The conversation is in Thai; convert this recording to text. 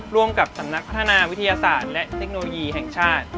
ร่วมกับสำนักพัฒนาวิทยาศาสตร์และเทคโนโลยีแห่งชาติ